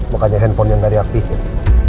makanya handphonenya nggak diaktifin